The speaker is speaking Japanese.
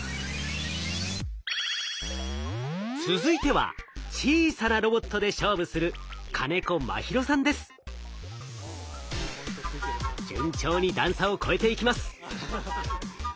続いては小さなロボットで勝負する順調に段差を越えていきます。